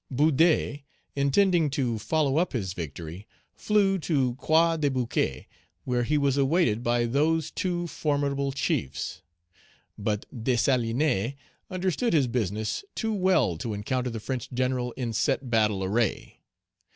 Boudet, intending to follow up his victory, flew to Croix des Bouquets, where he was awaited by those two formidable chiefs. But Dessalines understood his business too well to encounter the French general in set battle array.